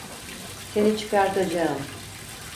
Seni çıkartacağım.